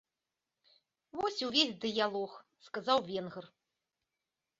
Вось і ўвесь дыялог, сказаў венгр.